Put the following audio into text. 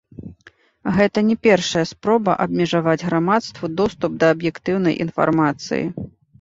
Гэта не першая спроба абмежаваць грамадству доступ да аб'ектыўнай інфармацыі.